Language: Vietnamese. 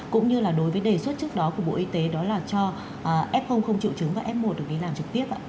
cũng như là đối với đề xuất trước đó của bộ y tế đó là cho f không triệu chứng và f một được đi làm trực tiếp ạ